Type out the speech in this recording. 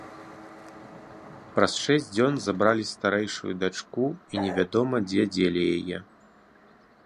Праз шэсць дзён забралі старэйшую дачку і немаведама дзе дзелі яе.